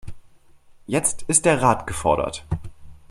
Jetzt ist der Rat gefordert.